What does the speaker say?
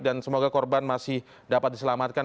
dan semoga korban masih dapat diselamatkan